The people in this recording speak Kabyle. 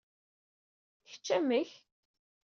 I kečč, amek?